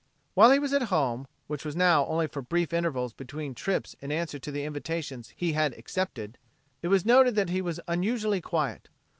While he was at home, which was now only for brief intervals between trips in answer to the invitations he had accepted, it was noted that he was unusually quiet.